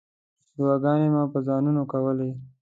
دعاګانې مو په ځانونو کولې.